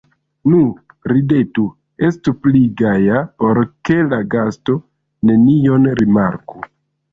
Nu, ridetu, estu pli gaja, por ke la gasto nenion rimarku!